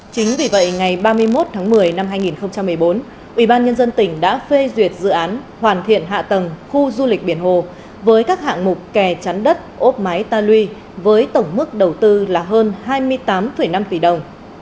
chính vì vậy ngày ba mươi một tháng một mươi năm hai nghìn một mươi bốn ubnd tỉnh đã phê duyệt dự án hoàn thiện hạ tầng khu du lịch biển hồ với các hạng mục kè chắn đất ốp máy ta luy với tổng mức đầu tư là hơn hai mươi tám năm tỷ đồng